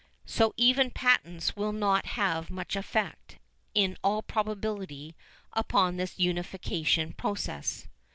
So even patents will not have much effect, in all probability, upon this unification process.